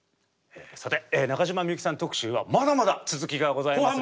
さて中島みゆきさん特集はまだまだ続きがございますので。